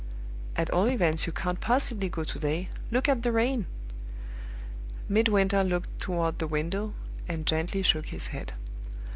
At all events, you can't possibly go to day. Look at the rain!" Midwinter looked toward the window, and gently shook his head.